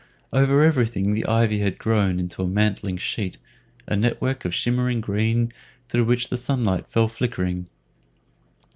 Over everything the ivy had grown in a mantling sheet a net work of shimmering green, through which the sunlight fell flickering.